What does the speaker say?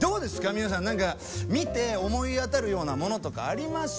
皆さん何か見て思い当たるようなものとかあります？